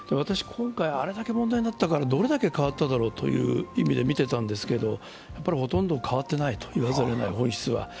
今回あれだけ問題になったからどれだけ変わっただろうという意味で見てたんですけれども、やっぱりほとんど変わっていないと言わざるを得ない、本質は。